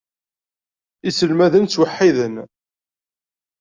Iselmaden ttwaḥiden.